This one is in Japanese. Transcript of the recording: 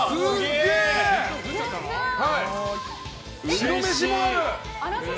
白飯もある！